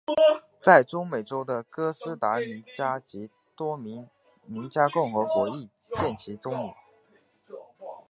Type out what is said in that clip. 在中美洲的哥斯达尼加及多明尼加共和国亦有见其踪影。